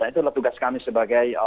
dan itulah tugas kami sebagai